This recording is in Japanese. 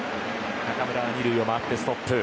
中村は２塁を回ってストップ。